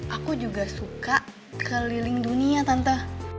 aku juga suka keliling dunia tante